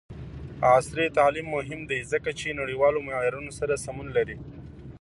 عصري تعلیم مهم دی ځکه چې نړیوالو معیارونو سره سمون لري.